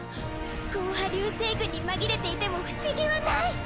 ゴーハ流星群にまぎれていても不思議はない！